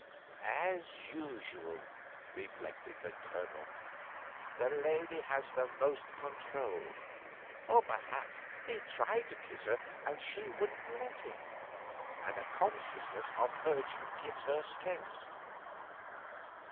"As usual," reflected the Colonel, "the lady has the most control. Or perhaps he tried to kiss her and she wouldn't let him, and a consciousness of virtue gives her strength."